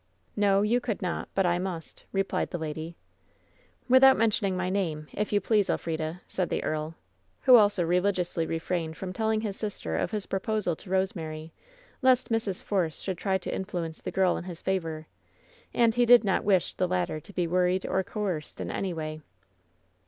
No, you could not; but I must," replied the lady. "Without mentioning my name, if you please, El frida," said the earl, who also religiously refrained from telling his sister of his proposal to Rosemary, lest Mrs. Force should try to influence the girl in his favor. And he did not wish the latter to be worried or coerced in any way.